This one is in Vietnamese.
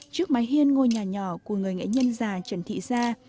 trước mái hiên ngôi nhà nhỏ của người nghệ nhân già trần thị gia